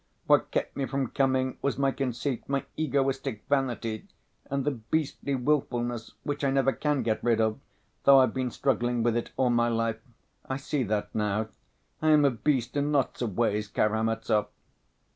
What kept me from coming was my conceit, my egoistic vanity, and the beastly wilfullness, which I never can get rid of, though I've been struggling with it all my life. I see that now. I am a beast in lots of ways, Karamazov!"